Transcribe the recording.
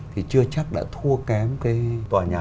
thì chưa chắc đã thua kém cái tòa nhà